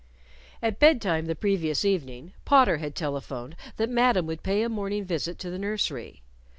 At bed time the previous evening Potter had telephoned that Madam would pay a morning visit to the nursery.